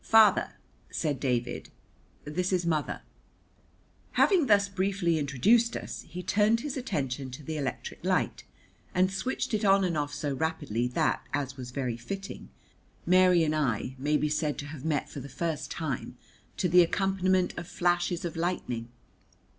"Father," said David, "this is mother." Having thus briefly introduced us, he turned his attention to the electric light, and switched it on and off so rapidly that, as was very fitting, Mary and I may be said to have met for the first time to the accompaniment of flashes of lightning.